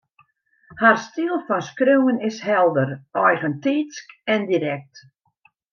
Har styl fan skriuwen is helder, eigentiidsk en direkt